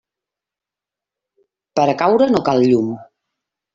Per a caure no cal llum.